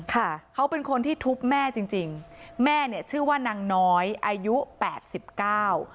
ค่ะเขาเป็นคนที่ทุบแม่จริงจริงแม่เนี่ยชื่อว่านางน้อยอายุแปดสิบเก้า